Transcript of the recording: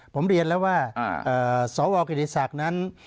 ผมเรียนแล้วว่าสวกิติศักดิ์นั้น